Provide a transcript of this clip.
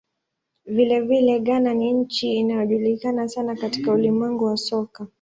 Vilevile, Ghana ni nchi inayojulikana sana katika ulimwengu wa soka.